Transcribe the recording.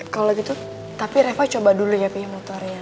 kalo gitu tapi reva coba dulu ya punya motornya